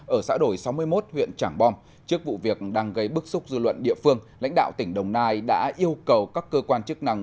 ở xã đổi sáu mươi một huyện trảng bom trước vụ việc đang gây bức xúc dư luận địa phương lãnh đạo tỉnh đồng nai đã yêu cầu các cơ quan chức năng